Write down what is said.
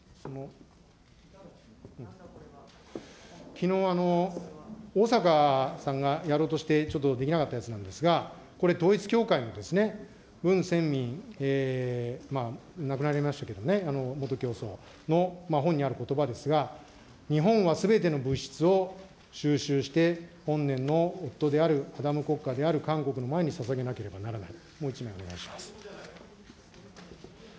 きのう、逢坂さんがやろうとして、ちょっとできなかったやつなんですが、これ統一教会の亡くなりましたけれども、元教祖の本にあることばですが、日本はすべての物質を収拾して、本年の夫であるアダム国家である韓国の前にささげなければならない。